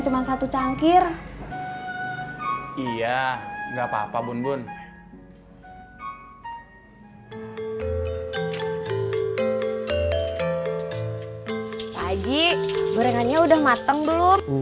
cuma satu cangkir iya nggak papa bun bun hai hai hai hai hai haji gorengannya udah mateng belum